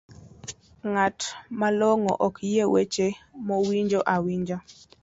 ng'at malongo ok yie weche moowinjo awinja